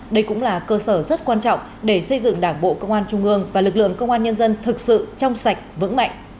đây cũng là cơ sở rất quan trọng để xây dựng đảng bộ công an trung ương và lực lượng công an nhân dân thực sự trong sạch vững mạnh